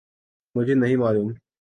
مجھے نہیں معلوم۔